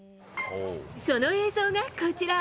その映像がこちら。